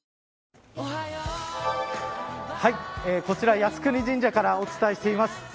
こちら靖国神社からお伝えしています。